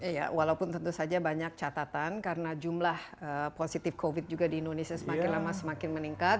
iya walaupun tentu saja banyak catatan karena jumlah positif covid juga di indonesia semakin lama semakin meningkat